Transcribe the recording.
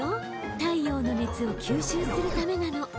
太陽の熱を吸収するためなの。